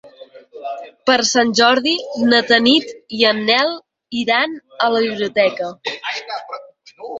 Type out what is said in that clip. Per Sant Jordi na Tanit i en Nel iran a la biblioteca.